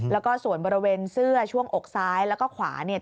แล้วก็ส่วนบริเวณเสื้อช่วงอกซ้ายแล้วก็ขวาเนี่ย